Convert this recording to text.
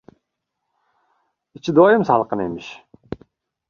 «Ichi doim salqin emish».